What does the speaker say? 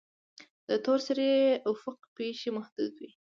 د تور سوري افق پیښې محدوده وي.